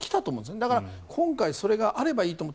だから今回、それがあればいいと思う。